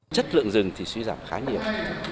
chất lượng rừng thì suy giảm khá nhiều